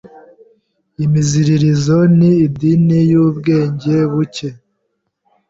Imiziririzo ni idini yubwenge buke.